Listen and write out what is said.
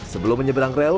sebelum menyeberang rel